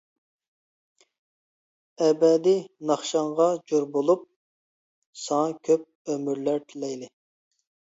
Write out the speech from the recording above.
ئەبەدىي ناخشاڭغا جور بولۇپ، ساڭا كۆپ ئۆمۈرلەر تىلەيلى.